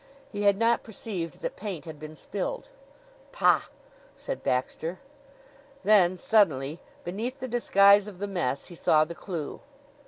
He had not perceived that paint had been spilled. "Pah!" said Baxter. Then suddenly, beneath the disguise of the mess, he saw the clew.